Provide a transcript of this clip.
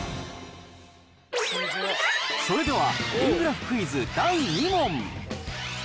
それでは、円グラフクイズ第２問。